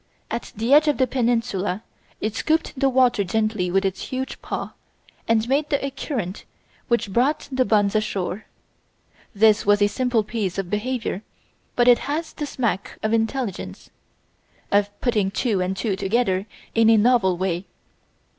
At the edge of the peninsula it scooped the water gently with its huge paw and made a current which brought the buns ashore. This was a simple piece of behaviour, but it has the smack of intelligence of putting two and two together in a novel way.